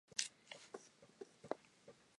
Statistics was started under the Dept.